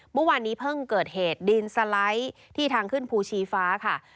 เมื่อวานนี้เพิ่งเกิดเหตุดินสไลด์ที่ทางขึ้นภูชีฟ้าค่ะ